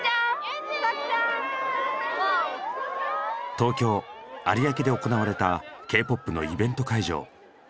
東京・有明で行われたＫーＰＯＰのイベント会場。